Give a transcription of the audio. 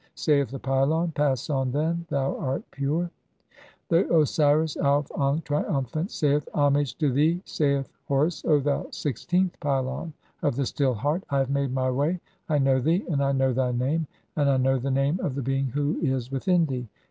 [Saith the pylon :—] "Pass on, then, thou art pure." XVI. (56) The Osiris Auf ankh, triumphant, saith: — "Homage to thee, saith Horus, O thou sixteenth pylon of the "Still Heart. I have made [my] way. I know thee, and I know "thy name, and I know the name of the being who is (57) "within thee.